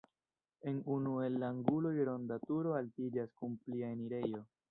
En unu el la anguloj ronda turo altiĝas kun plia enirejo.